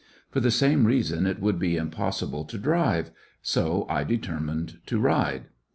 For the same reason it would be impossible to drive, so I determined to ride.